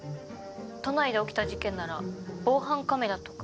都内で起きた事件なら防犯カメラとか。